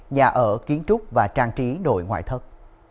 nhà ở kiến trúc và trang trí nội ngoại thất